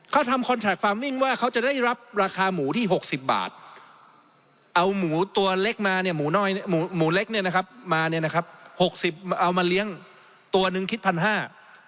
เขาทำคอนแท็กฟาร์มมิ่งว่าเขาจะได้รับราคาหมูที่หกสิบบาทเอาหมูตัวเล็กมาเนี่ยหมูน้อยเนี่ยหมูหมูเล็กเนี่ยนะครับมาเนี่ยนะครับหกสิบเอามาเลี้ยงตัวหนึ่งคิดพันห้า